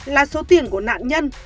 là số tiền của nạn nhân